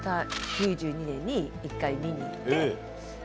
９２年に１回見に行って。